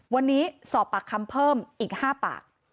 วันนี้สอบปากคำเพิ่มอีก๕ปาก